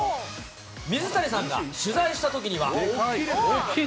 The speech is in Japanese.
水谷さんが取材したときには。